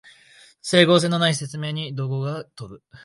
整合性のない説明に怒声が飛ぶ